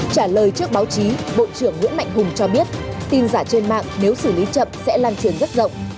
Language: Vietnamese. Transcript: trả lời trước báo chí bộ trưởng nguyễn mạnh hùng cho biết tin giả trên mạng nếu xử lý chậm sẽ lan truyền rất rộng